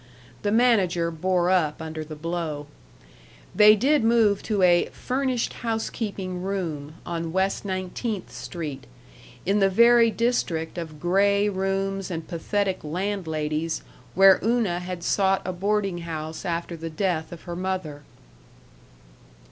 The manager bore up under the blow.... They did move to a "furnished housekeeping room" on West Nineteenth Street in the very district of gray rooms and pathetic landladies where Una had sought a boarding house after the death of her mother.